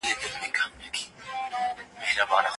انا په دعا کې د ماشوم لپاره خیر وغوښت.